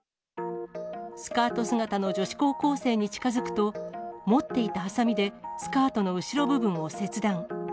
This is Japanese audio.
スカート姿の女子高校生に近づくと、持っていたはさみで、スカートの後ろ部分を切断。